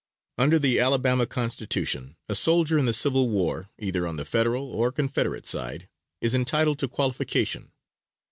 Under the Alabama Constitution, a soldier in the Civil War, either on the Federal or Confederate side, is entitled to qualification.